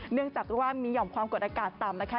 เนื่องจากว่ามีห่อมความกดอากาศต่ำนะคะ